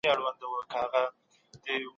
د سوداګریزو تړونونو لیکل په کومه ژبه ترسره کيدل؟